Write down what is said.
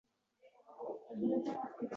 u sig’olmagan